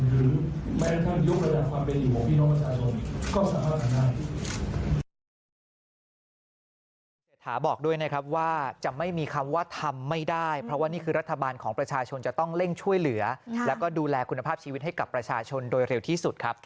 หรือแม้ต้องยกระดับความเป็นอยู่ของพี่น้องประชาชนก็สามารถทำได้